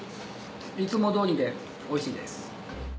いつもどおりでおいしいです。